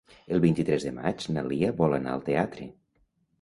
El vint-i-tres de maig na Lia vol anar al teatre.